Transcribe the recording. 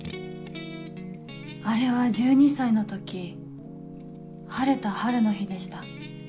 あれは１２歳の時晴れた春の日でした。